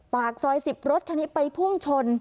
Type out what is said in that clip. ปากซอย๑๐รถคันนี้ไปพุ่งชน